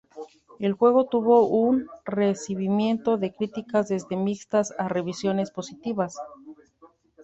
El juego tuvo un recibimiento de critica desde mixtas a revisiones positivas.